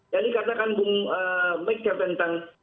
jadi katakan bung mekir tentang